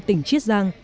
tỉnh chiết giang